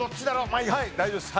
まあ大丈夫です。